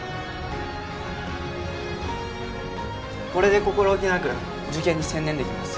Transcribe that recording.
これで心置きなく受験に専念できます。